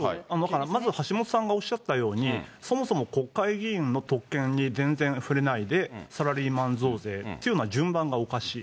まず橋下さんがおっしゃったように、そもそも国会議員の特権に全然触れないで、サラリーマン増税っていうのは、順番がおかしい。